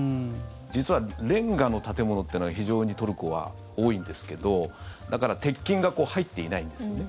実はレンガの建物っていうのは非常にトルコは多いんですけどだから鉄筋が入っていないんですよね。